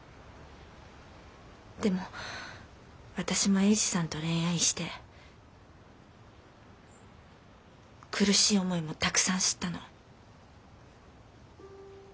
でも私も英治さんと恋愛して苦しい思いもたくさん知ったの。